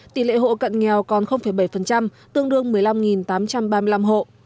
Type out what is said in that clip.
tỷ lệ hộ cận nghèo còn bảy tương đương một mươi năm tám trăm ba mươi năm hộ